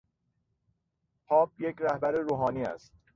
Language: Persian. پاپ یک رهبر روحانی است.